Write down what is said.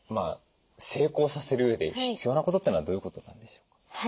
成功させるうえで必要なことっていうのはどういうことなんでしょう？